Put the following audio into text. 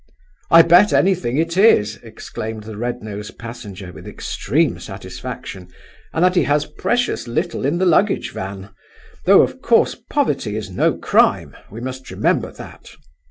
"I bet anything it is!" exclaimed the red nosed passenger, with extreme satisfaction, "and that he has precious little in the luggage van!—though of course poverty is no crime—we must remember that!"